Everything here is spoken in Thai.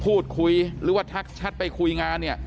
พูดคุยหรือว่าถ้าชัดไปคุยงาน